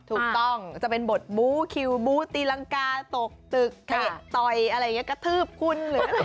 ถูกต้องจะเป็นบทบู้คิวบู้ตีลังกาตกตึกต่อยอะไรอย่างงี้กระทืบคุณ